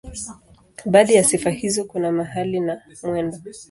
Baadhi ya sifa hizo kuna mahali na mwendo.